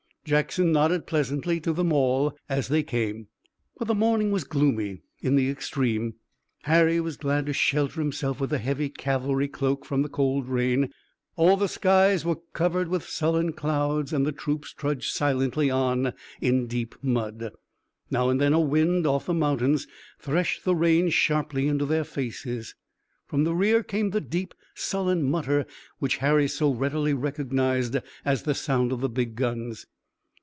Jackson nodded pleasantly to them all as they came. But the morning was gloomy in the extreme. Harry was glad to shelter himself with the heavy cavalry cloak from the cold rain. All the skies were covered with sullen clouds, and the troops trudged silently on in deep mud. Now and then a wind off the mountains threshed the rain sharply into their faces. From the rear came the deep, sullen mutter which Harry so readily recognized as the sound of the big guns.